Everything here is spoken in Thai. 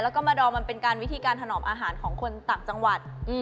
แล้วก็มาดอมมันเป็นการวิธีการถนอมอาหารของคนต่างจังหวัด